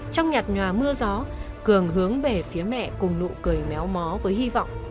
trong nhặt nhòa mưa gió cường hướng về phía mẹ cùng nụ cười méo mó với hy vọng